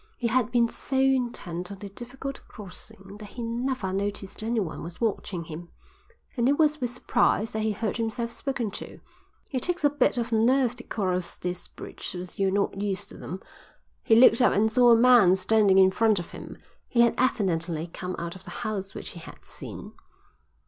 He had been so intent on the difficult crossing that he never noticed anyone was watching him, and it was with surprise that he heard himself spoken to. "It takes a bit of nerve to cross these bridges when you're not used to them." He looked up and saw a man standing in front of him. He had evidently come out of the house which he had seen.